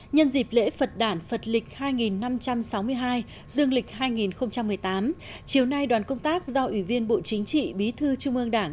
nhân dịp lễ phật đản phật lịch hai năm trăm sáu mươi hai dương lịch hai nghìn một mươi tám chiều nay đoàn công tác do ủy viên bộ chính trị bí thư trung ương đảng